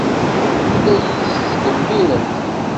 La iyi-tettdemmiremt.